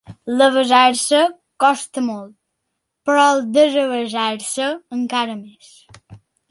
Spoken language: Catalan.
L'avesar-se costa molt, però el desvesar-se encara més